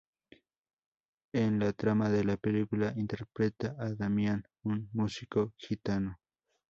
En la trama de la película interpreta a Damian, un músico gitano.